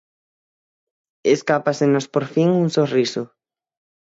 Escápasenos por fin un sorriso.